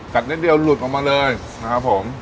นิดเดียวหลุดออกมาเลยนะครับผม